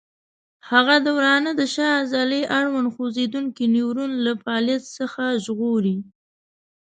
هغه د ورانه د شا عضلې اړوند خوځېدونکی نیورون له فعالیت څخه غورځوي.